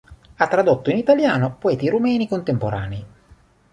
Ha tradotto in italiano poeti rumeni contemporanei.